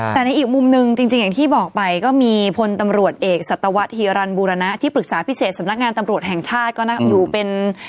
แต่ในอีกมุมนึงจริงอย่างที่บอกไปก็มีพลตำรวจเอกสัตวธฮีรันบูรณะที่ปรึกษาพิเศษสำนักงานตำรวจแห่งชาติก็อยู่เป็น